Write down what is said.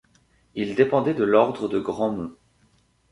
Il dépendait de l'ordre de Grandmont.